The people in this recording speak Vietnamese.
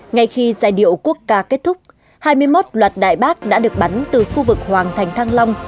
ngay khi giai điệu quốc ca kết thúc hai mươi một loạt đại bác đã được bắn từ khu vực hoàng thành thăng long